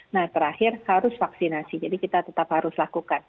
nah terakhir harus vaksinasi jadi kita tetap harus lakukan tiga kombinasi itu